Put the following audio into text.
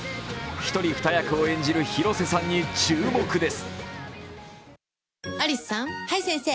１人２役を演じる広瀬さんに注目です。